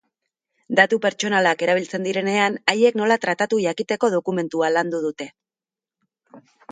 Datu pertsonalak erabiltzen direnean haiek nola tratatu jakiteko dokumentua landu dute.